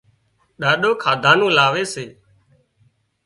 ڏاڏو کاڌا نُون لاوي سي